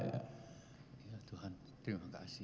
ya tuhan terima kasih